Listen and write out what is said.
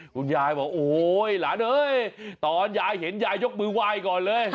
คุณยายบอกโอ๊ยหลานเอ้ยตอนยายเห็นยายยกมือไหว้ก่อนเลย